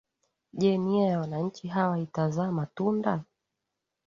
je nia ya wananchi hawa itazaa matunda